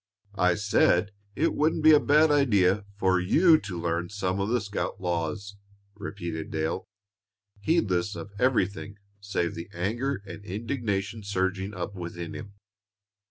"I said it wouldn't be a bad idea for you to learn some of the scout laws," repeated Dale, heedless of everything save the anger and indignation surging up within him.